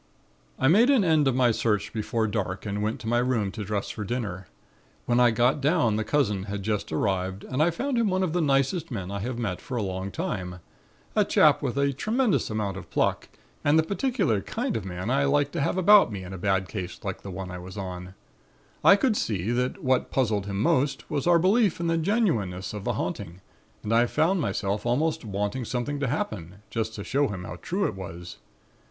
"I made an end of my search before dark and went to my room to dress for dinner. When I got down the cousin had just arrived and I found him one of the nicest men I have met for a long time. A chap with a tremendous amount of pluck, and the particular kind of man I like to have with me in a bad case like the one I was on. I could see that what puzzled him most was our belief in the genuineness of the haunting and I found myself almost wanting something to happen, just to show him how true it was.